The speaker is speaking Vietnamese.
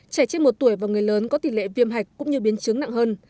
trẻ trên một tuổi và người lớn có tỷ lệ viêm hạch cũng như biến chứng nặng hơn